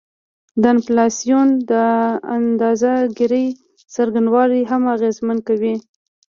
د انفلاسیون د اندازه ګيرۍ څرنګوالی هم اغیزمن کوي